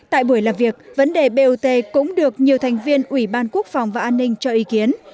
tại buổi làm việc vấn đề bot cũng được nhiều thành viên ủy ban quốc phòng và an ninh cho ý kiến